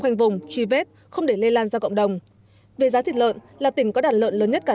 khoanh vùng truy vết không để lây lan ra cộng đồng về giá thịt lợn là tỉnh có đạt lợn lớn nhất cả